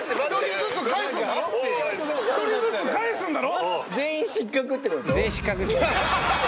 １人ずつ帰すんだろ？